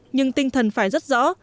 nhưng tinh thần phải rất rõ